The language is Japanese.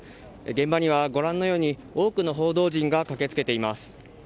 現場にはご覧のように多くの報道陣が駆けつけています。